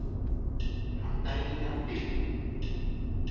反対になっている。